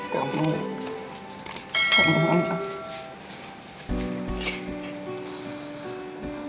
kamu kamu menang